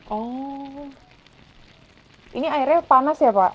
oh ini airnya panas ya pak